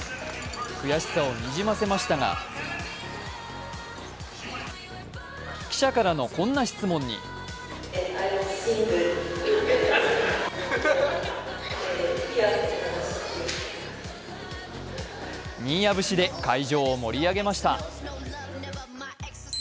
悔しさをにじませましたが記者からのこんな質問に新谷節で会場を盛り上げました。